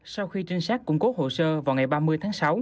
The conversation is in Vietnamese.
sau khi trinh sát cung cốt hồ sơ vào ngày ba mươi tháng sáu